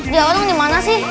dia orang dimana sih